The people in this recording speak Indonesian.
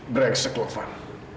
brengsek lo fadil